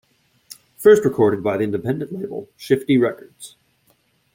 First recorded by the independent label Shifty Records.